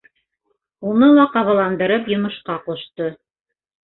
Уны ла ҡабаландырып йомошҡа ҡушты: